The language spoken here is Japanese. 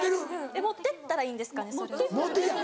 えっ持ってったらいいんですかねそれを。